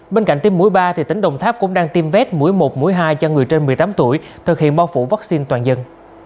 bên cạnh tiêm mũi ba tỉnh đồng tháp cũng đang tiêm vết mũi một mũi hai cho người trên một mươi tám tuổi thực hiện bao phủ vaccine toàn dân